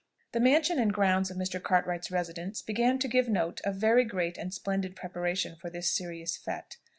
The mansion and grounds of Mr. Cartwright's residence began to give note of very great and splendid preparation for this serious fête.